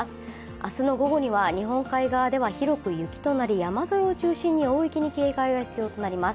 明日の午後には日本海側には広く雪となり山沿いを中心に大雪に警戒が必要となります。